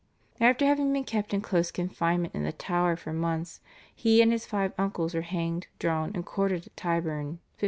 After having been kept in close confinement in the Tower for months he and his five uncles were hanged, drawn and quartered at Tyburn (1537).